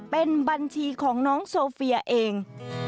เป็นบัญชีของน้องโซเฟียเอง